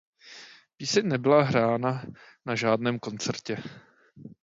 Píseň nebyla hrána na žádném koncertě.